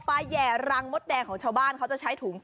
และนี่คืออาหารชั้นสูง